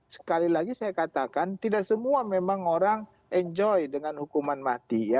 sekali lagi saya katakan tidak semua memang orang enjoy dengan hukuman mati ya